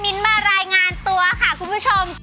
มารายงานตัวค่ะคุณผู้ชม